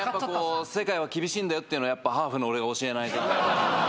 世界は厳しいんだよっていうのをやっぱハーフの俺が教えないと。